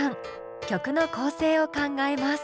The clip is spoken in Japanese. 曲の構成を考えます。